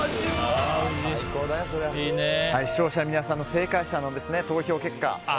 視聴者の皆さんの正解者の投票結果。